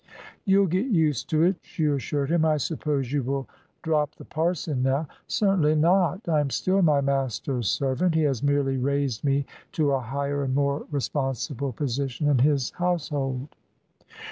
"You'll get used to it," she assured him. "I suppose you will drop the parson now?" "Certainly not. I am still my Master's servant. He has merely raised me to a higher and more responsible position in His household."